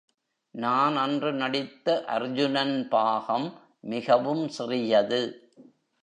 நான் அன்று நடித்த அர்ஜுனன் பாகம் மிகவும் சிறியது.